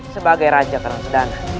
sebagai raja terang sedana